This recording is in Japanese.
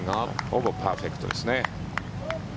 ほぼパーフェクトですね。